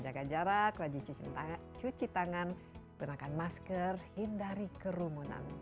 jaga jarak rajin cuci tangan gunakan masker hindari kerumunan